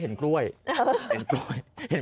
เห็นร่างรูปเป้น